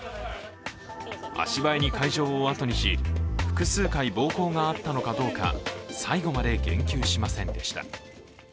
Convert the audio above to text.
足早に会場を後にし、複数回暴行があったのかどうか、最後まで言及しませんでした。